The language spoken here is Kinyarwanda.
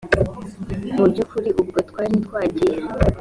mu by ukuri ubwo twari twagiye